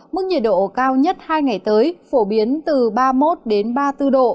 mức nhiệt độ cao nhất hai ngày tới phổ biến từ ba mươi một ba mươi bốn độ